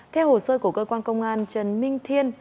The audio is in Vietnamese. theo hồ sơ của cơ quan công an trần minh thiên